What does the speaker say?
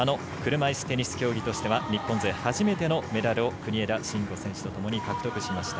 車いすテニス競技としては日本勢初めての金メダルを国枝慎吾とともに獲得しました。